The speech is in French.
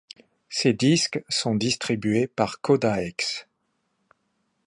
Ses disques sont distribués par Codaex.